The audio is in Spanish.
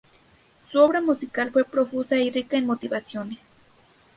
Su obra musical fue profusa y rica en motivaciones.